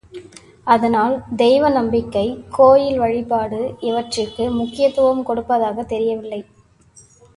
அதனால் தெய்வ நம்பிக்கை, கோயில் வழிபாடு இவற்றிற்கு முக்கியத்துவம் கொடுப்பதாகத் தெரியவில்லை.